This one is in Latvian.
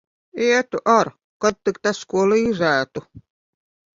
Ietu ar, kad tik tas ko līdzētu.